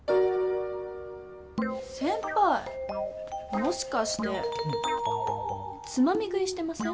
もしかしてつまみ食いしてません？